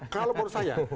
kalau menurut saya